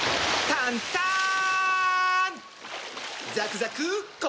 タンターン！